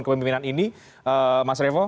kepemimpinan ini mas revo